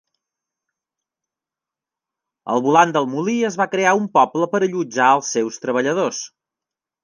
Al volant del molí es va crear un poble per allotjar els seus treballadors-